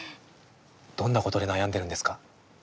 どんなことで悩んでるんですか？